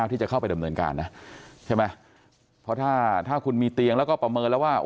ที่จะเข้าไปดำเนินการนะใช่ไหมเพราะถ้าถ้าคุณมีเตียงแล้วก็ประเมินแล้วว่า